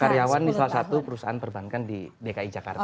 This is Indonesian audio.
karyawan di salah satu perusahaan perbankan di dki jakarta